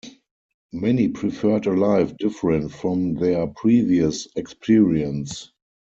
Many preferred a life different from their previous experience.